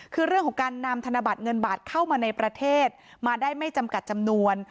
คือเรื่องของการนำธนบัตรเงินบาทเข้ามาในประเทศมาได้ไม่จำกัดจำนวน